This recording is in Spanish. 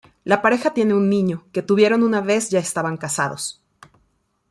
La pareja tiene un niño, que tuvieron una vez ya estaban casados.